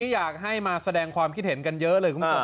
อยากให้มาแสดงความคิดเห็นกันเยอะเลยคุณผู้ชม